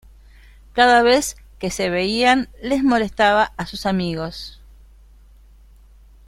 Cada vez que se veían les molestaba a sus amigos.